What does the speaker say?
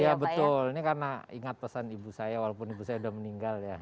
iya betul ini karena ingat pesan ibu saya walaupun ibu saya sudah meninggal ya